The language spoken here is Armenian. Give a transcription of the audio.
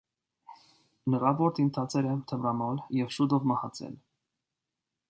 Նրա որդին դարձել է թմրամոլ և շուտով մահացել։